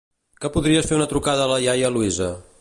Que podries fer una trucada a la iaia Luisa?